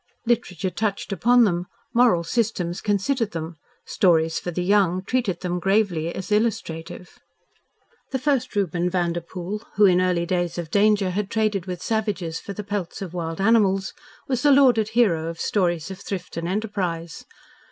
Literature touched upon them, moral systems considered them, stories for the young treated them gravely as illustrative. The first Reuben Vanderpoel, who in early days of danger had traded with savages for the pelts of wild animals, was the lauded hero of stories of thrift and enterprise.